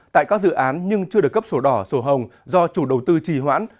tại các dự án nhưng chưa được cấp sổ đỏ sổ hồng do chủ đầu tư trì hoãn